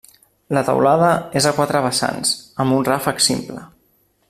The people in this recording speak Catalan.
La teulada és a quatre vessants, amb un ràfec simple.